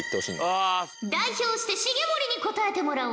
代表して重盛に答えてもらおう。